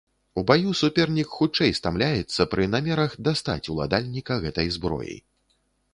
У баю супернік хутчэй стамляецца пры намерах дастаць уладальніка гэтай зброі.